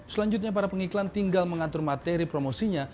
selanjutnya para pengiklan tinggal mengatur materi promosinya